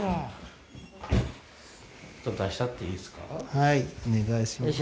はいお願いします。